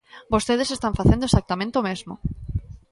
Vostedes están facendo exactamente o mesmo.